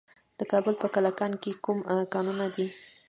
د کابل په کلکان کې کوم کانونه دي؟